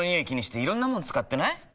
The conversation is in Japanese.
気にしていろんなもの使ってない？